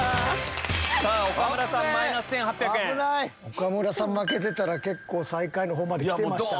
岡村さん負けてたら最下位のほうまで来てましたね。